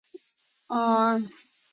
这次东征完全失败。